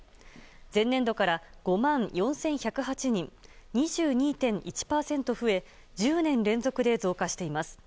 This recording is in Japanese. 前年度から５万４１０８人２２．１％増え１０年連続で増加しています。